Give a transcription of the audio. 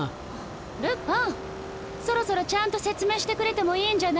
ルパンそろそろちゃんと説明してくれてもいいんじゃない？